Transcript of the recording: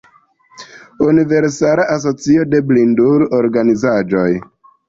Universala Asocio de Blindul-Organizaĵoj.